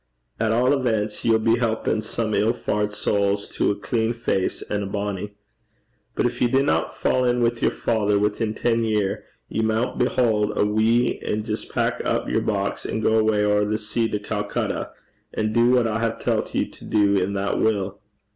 At a' events, ye'll be helpin' some ill faured sowls to a clean face and a bonny. But gin ye dinna fa' in wi' yer father within ten year, ye maun behaud a wee, an' jist pack up yer box, an' gang awa' ower the sea to Calcutta, an' du what I hae tellt ye to do i' that wull.